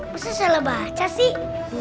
masa salah baca sih